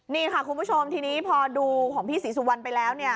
นี่ค่ะคุณผู้ชมทีนี้พอดูของพี่ศรีสุวรรณไปแล้วเนี่ย